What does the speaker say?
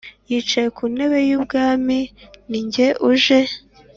wicaye ku ntebe y ubwami ni jye uje